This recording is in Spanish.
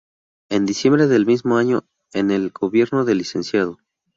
En diciembre de ese mismo año, en el gobierno del Lic.